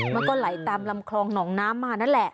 มันก็ไหลตามลำคลองหนองน้ำมานั่นแหละ